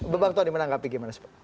bebang tuhan dimana anggapi gimana